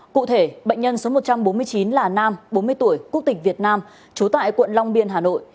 cụ thể bệnh nhân số một trăm bốn mươi chín là nam bốn mươi tuổi quốc tịch việt nam trú tại quận long biên hà nội